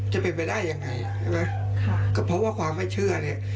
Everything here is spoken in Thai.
จะเป็นไปได้ยังไงเพราะว่าความไม่เชื่อเลย